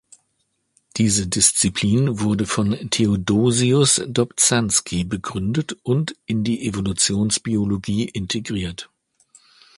Diese Disziplin wurde von Theodosius Dobzhansky begründet und in die Evolutionsbiologie integriert.